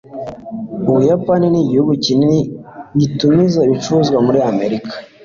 ubuyapani nigihugu kinini gitumiza ibicuruzwa muri amerika